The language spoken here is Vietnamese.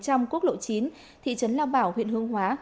trong quốc lộ chín thị trấn lào bảo huyện hương hóa